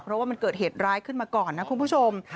เพราะว่ามันเกิดเหตุร้ายขึ้นมาก่อนนะคุณผู้ชม